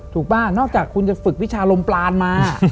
ป่ะนอกจากคุณจะฝึกวิชาลมปลานมา